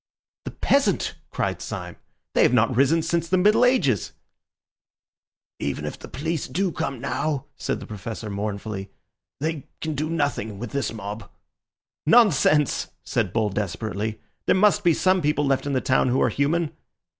"The peasant!" cried Syme. "They have not risen since the Middle Ages." "Even if the police do come now," said the Professor mournfully, "they can do nothing with this mob." "Nonsense!" said Bull desperately; "there must be some people left in the town who are human."